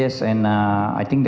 pemeriksaan polisi indonesia